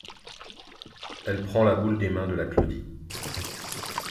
Elle prend la boule des mains de la Claudie.